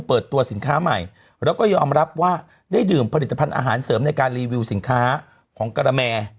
เปิดตัวสินค้าใหม่แล้วก็ยอมรับว่าได้ดื่มผลิตภัณฑ์อาหารเสริมในการรีวิวสินค้าของกระแม